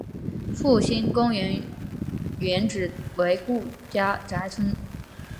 复兴公园原址为顾家宅村。